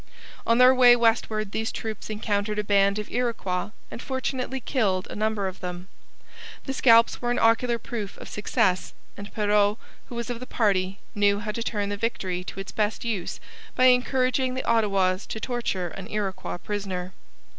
On their way westward these troops encountered a band of Iroquois and fortunately killed a number of them. The scalps were an ocular proof of success; and Perrot, who was of the party, knew how to turn the victory to its best use by encouraging the Ottawas to torture an Iroquois prisoner.